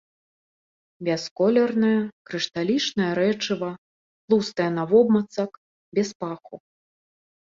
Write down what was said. Бясколернае крышталічнае рэчыва, тлустае навобмацак, без паху.